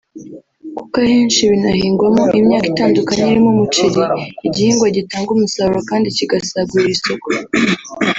kuko ahenshi binahingwamo imyaka itandukanye irimo umuceri (igihingwa gitanga umusaruro kandi kigasagurira isoko)